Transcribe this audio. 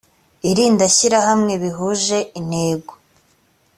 irindi shyirahamwe bihuje intego